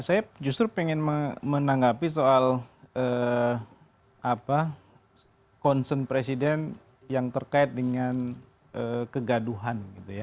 saya justru pengen menanggapi soal concern presiden yang terkait dengan kegaduhan